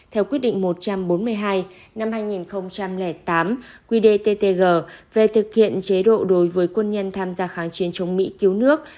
theo quyết định một trăm bốn mươi hai năm hai nghìn tám quy đề ttg về thực hiện chế độ đối với quân nhân tham gia kháng chiến chống mỹ cứu nước